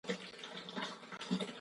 ژوند هغه څه راکوي چې ما غوښتي دي.